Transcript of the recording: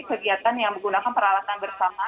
kegiatan yang menggunakan peralatan bersama